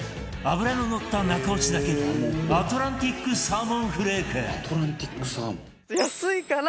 脂の乗った中落ちだけのアトランティックサーモンフレーク